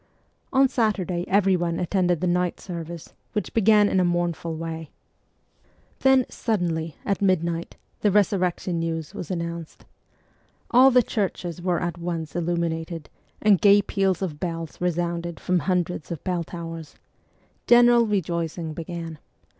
On Saturday everyone attended the night service which began in a mournful way. Then, suddenly, at midnight, the resurrection news was announced. All the churches were at once illuminated, and gay peals of bells resounded from hundreds of bell towers. Gene ral rejoicing began.